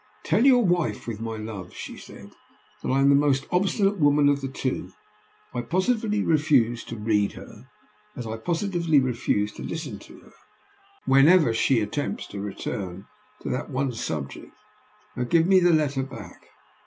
'Tell your wife, with my love,' she said, 'that I am the most obstinate woman of the two. I positively refuse to read her, as I positively refuse to listen to her, whenever she attempts to return to that one subject. Now give me the letter back.